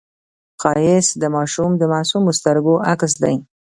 ښایست د ماشوم د معصومو سترګو عکس دی